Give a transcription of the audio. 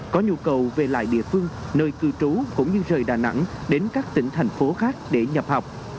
có nhu cầu về lại địa phương nơi cư trú cũng như rời đà nẵng đến các tỉnh thành phố khác để nhập học